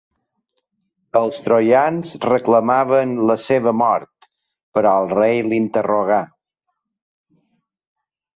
Els troians reclamaven la seva mort, però el rei l'interrogà.